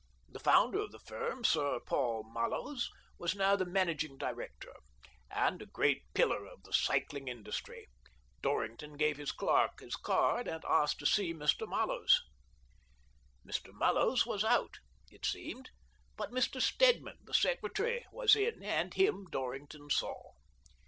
The founder of the firm, Mr. Paul Mallows, was now the managing director, and a great pillar of the cycling industry. Dorrington gave a clerk his card, and asked to see Mr. Mallows. '^ AVALANCHE BICYCLE AND TYRE CO., LTD." 159 Mr. Mallows was out, it seemed, but Mr. Sted man, the secretary, was in, and him Dorrington saw.